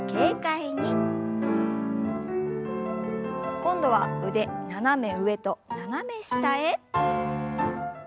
今度は腕斜め上と斜め下へ。